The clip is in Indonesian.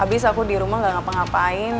abis aku dirumah gak ngapa ngapain